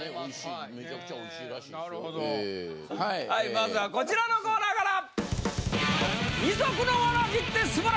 まずはこちらのコーナーから！